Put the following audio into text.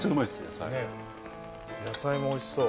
野菜もおいしそう。